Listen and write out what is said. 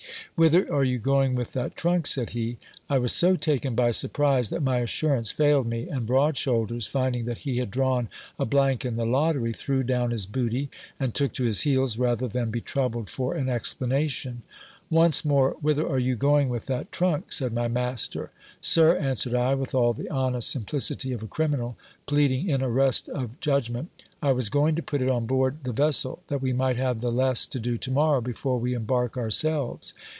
Whither are you going with that trunk ? said he. I was so taken by surprise that my assurance failed me ; and broad shoulders, finding that he had drawn a blank in the lottery, threw down his booty, and took to his heels, rather than be troubled for an explanation. Once more, whither are you going with that trunk ? said my master. Sir, answered I, with all the honest simplicity of a criminal, pleading in arrest of judgment, I was going to put it on board the vessel, that we might have the less to do to morrow, before we embark our selves.